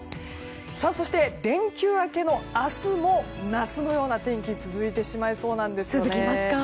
そして連休明けの明日も夏のような天気が続いてしまいそうなんですよね。